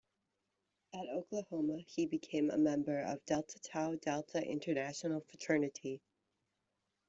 At Oklahoma he became a member of Delta Tau Delta International Fraternity.